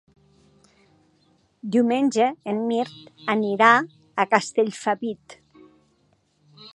Diumenge en Mirt anirà a Castellfabib.